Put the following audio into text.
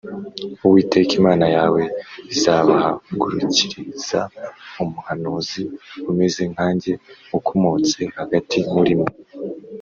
“Uwiteka Imana yawe izabahagurukiriza umuhanuzi umeze nkanjye ukomotse hagati muri mwe